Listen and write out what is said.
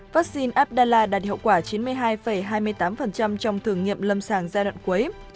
vaccine abdalla đạt hiệu quả chín mươi hai hai mươi tám trong thử nghiệm lâm sàng giai đoạn cuối